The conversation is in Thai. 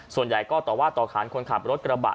ส่วนใหญ่ก็ต่อว่าต่อขานคนขับรถกระบะ